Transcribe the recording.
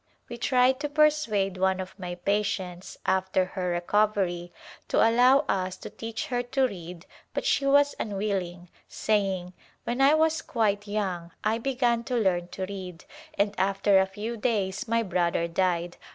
We tried to persuade one of my patients after her recovery to allow us to teach her to read, but she was unwilling, saying, " When I was quite young I began to learn to read and after a few days my brother died.